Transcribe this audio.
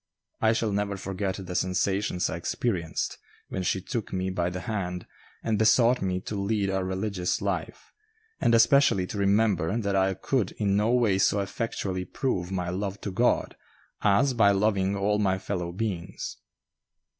I shall never forget the sensations I experienced when she took me by the hand and besought me to lead a religious life, and especially to remember that I could in no way so effectually prove my love to God as by loving all my fellow beings.